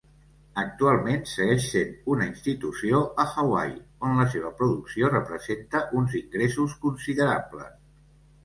Actualment segueix sent una institució a Hawaii, on la seva producció representa uns ingressos considerables.